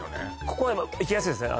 ここは行きやすいですね